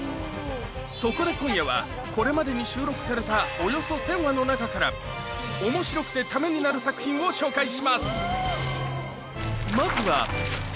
そこで今夜はこれまでに収録されたおよそ１０００話の中から面白くてタメになる作品を紹介します